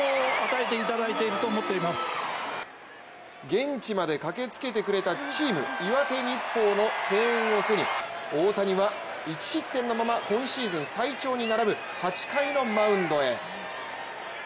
現地まで駆けつけてくれたチーム岩手日報の声援を背に、大谷は、１失点のまま、今シーズン最多に並ぶ８回のマウンドへ。